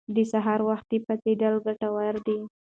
د سهار وختي پاڅیدل ګټور دي.